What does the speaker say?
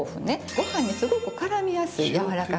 ご飯にすごく絡みやすいやわらかくて。